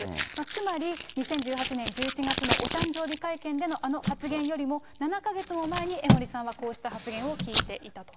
つまり２０１８年１１月のお誕生日会見の発言よりも７か月前に、江森さんはこうした発言を聞いていたと。